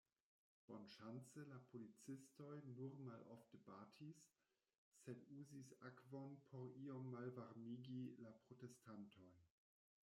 Bonŝance la policistoj nur malofte batis, sed uzis akvon, por iom malvarmigi la protestantojn.